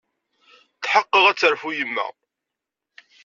Tḥeqqeɣ ad terfu yemma.